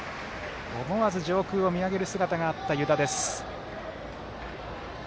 思わず上空を見上げる姿があった湯田です。